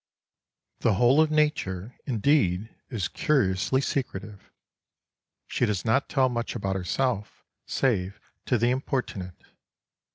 The whole of Nature, indeed, is curiously secretive. She does not tell much about herself save to the importunate.